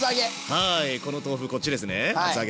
はいこの豆腐こっちですね